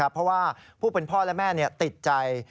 เพราะว่าผู้เป็นพ่อและแม่ติดใจ